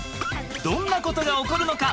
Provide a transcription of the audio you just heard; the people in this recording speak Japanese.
どんなことが起こるのか？